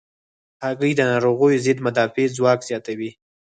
هګۍ د ناروغیو ضد مدافع ځواک زیاتوي.